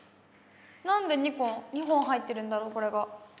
なんで２本入ってるんだろうこれが。